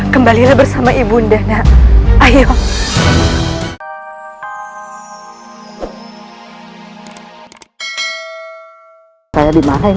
kembalilah bersama ibunda nak ayo